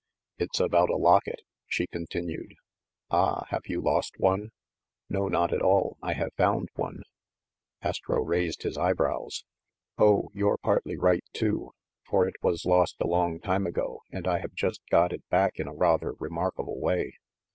"It's about a locket," she continued. "Ah! You have lost one?" "No, not at all. I have found one !" AvStro raised his eyebrows. "Oh, you're partly right, too ; for it was lost a long time ago, and I have just got it back in a rather re markable way.